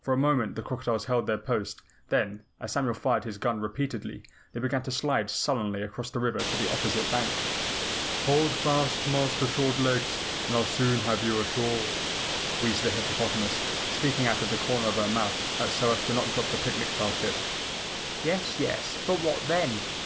For a moment the crocodiles held their post, then, as Samuel fired his gun repeatedly, they began to slide sullenly across the river to the opposite bank. "Hold fast, Master Short Legs, and I'll soon have you ashore," wheezed the hippopotamus, speaking out of the corner of her mouth so as not to drop the picnic basket. "Yes, yes, but what then?"